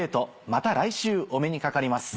また来週お目にかかります。